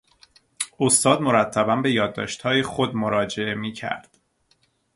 استاد مرتبا به یادداشتهای خود مراجعه میکرد.